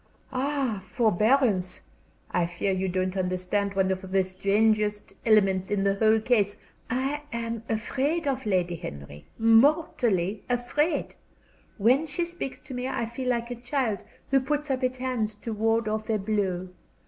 "Ah, forbearance! I fear you don't understand one of the strangest elements in the whole case. I am afraid of Lady Henry, mortally afraid! When she speaks to me I feel like a child who puts up its hands to ward off a blow.